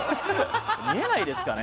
見えないですかね。